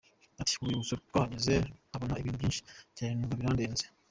Ati “Ku rwibutso twahageze mpabona ibintu byinshi cyane numva birandenze.